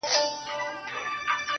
درد وچاته نه ورکوي_